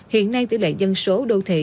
hiện nay tỷ lệ dân số đô thị